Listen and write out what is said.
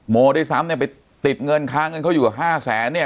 โมด้วยซ้ำเนี่ยไปติดเงินค้าเงินเขาอยู่ห้าแสนเนี่ย